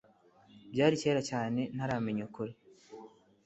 Byari kera cyane ntara menya ukuri